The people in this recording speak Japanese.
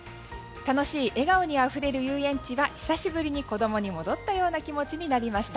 楽しい笑顔にあふれる遊園地は久しぶりに子供に戻ったような気持ちになりました。